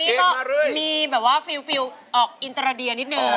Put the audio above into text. อินโทรเปลงที่๖